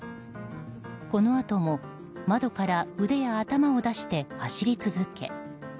このあとも窓から腕や頭を出して走り続け。